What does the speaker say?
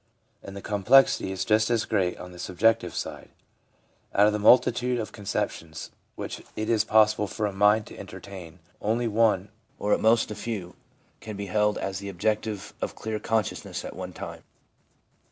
And the complexity is just as great on the subjective side. Out of the multitude of conceptions which it is possible for a mind to entertain, only one, or at most a few, can be held as the object of clear con sciousness at one time.